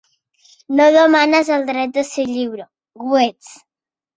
No demanes el dret de ser lliure: ho ets.